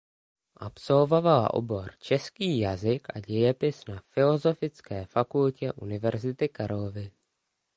Absolvovala obor český jazyk a dějepis na Filozofické fakultě Univerzity Karlovy.